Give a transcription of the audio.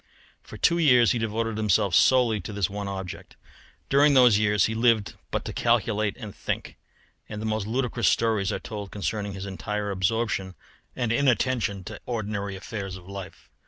For two years he devoted himself solely to this one object. During those years he lived but to calculate and think, and the most ludicrous stories are told concerning his entire absorption and inattention to ordinary affairs of life.